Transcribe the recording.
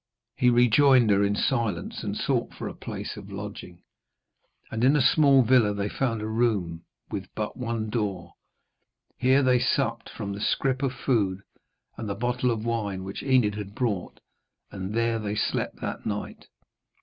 He rejoined her in silence and sought for a place of lodging; and in a small villa they found a room with but one door. Here they supped from the scrip of food and the bottle of wine which Enid had brought, and there they slept that night.